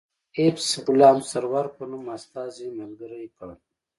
ایفز غلام سرور په نوم استازی ملګری کړ.